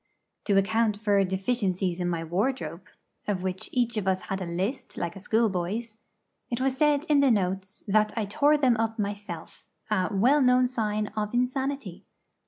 To account for deficiences in my wardrobe (of which each of us had a list, like a schoolboy's) it was said in the 'notes' that I tore them up myself a 'well known sign of insanity!'